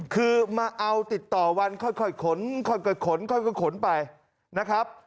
คือมาเอาติดต่อวันค่อยขนค่อยขนค่อยขนไปนะครับ